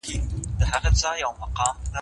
اړتیا نشته چې موږ څه ووایو.